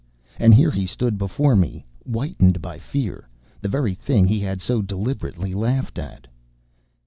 And here he stood before me, whitened by fear, the very thing he had so deliberately laughed at!